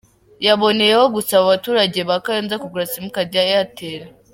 Yaboneyeho gusaba abaturage ba Kayonza kugura Simukadi ya Airtel.